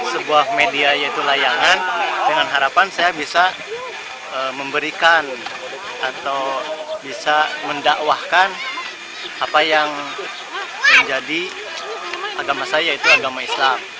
sebuah media yaitu layangan dengan harapan saya bisa memberikan atau bisa mendakwahkan apa yang menjadi agama saya yaitu agama islam